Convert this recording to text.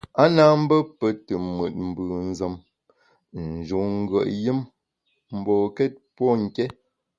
A na mbe pe te mùt mbùnzem, ń njun ngùet yùm mbokét pô nké.